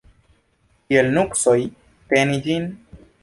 Kiel nuksoj teni ĝin?